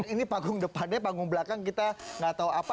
ini panggung depannya panggung belakang kita gak tau apa